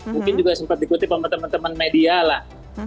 mungkin juga sempat diikuti pemen temen media lah